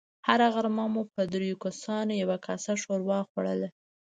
هره غرمه مو په دريو کسانو يوه کاسه ښوروا خوړله.